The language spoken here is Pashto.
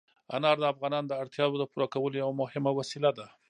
انار د افغانانو د اړتیاوو د پوره کولو یوه مهمه وسیله ده.